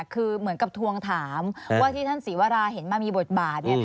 คือเหมือนกับทวงถามว่าที่ท่านศรีวราเห็นมามีบทบาท